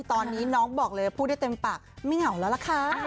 ตอนนี้น้องบอกเลยพูดได้เต็มปากไม่เหงาแล้วล่ะค่ะ